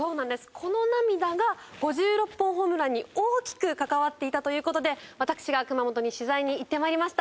この涙が、５６本ホームランに大きく関わっていたという事で私が、熊本に取材に行ってまいりました。